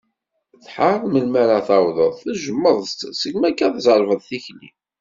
Tḥareḍ melmi ara tawḍeḍ, tejjmeḍ-tt degmi akka tzerbeḍ tikli.